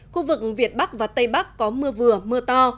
khu vực việt bắc và tây bắc có mưa vừa mưa to